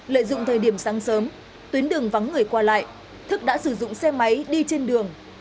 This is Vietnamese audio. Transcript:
lợi dụng thời điểm sáng sớm tuyến đường vắng người qua lại thức đã sử dụng xe máy đi trên đường